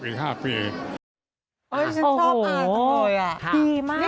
ใช่ครับอีก๕ปี